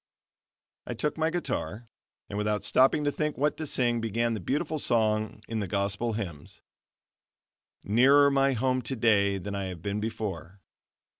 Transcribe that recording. I took my guitar, and without stopping to think what to sing, began that beautiful song in the Gospel Hymns: "Nearer my home, today, than I have been before."